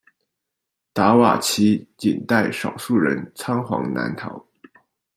达瓦齐仅带少数人仓皇南逃。